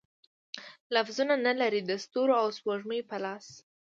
لفظونه، نه لري د ستورو او سپوږمۍ په لاس